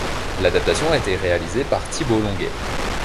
L'adaptation a été réalisée par Thibault Longuet.